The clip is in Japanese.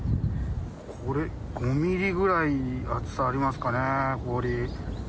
これ、５ミリぐらい、厚さありますかね、氷。